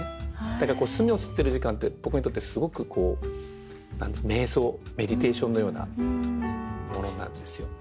だから墨をすってる時間って僕にとってすごくこうめい想メディテーションのようなものなんですよ。